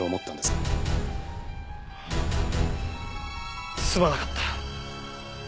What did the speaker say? すまなかった。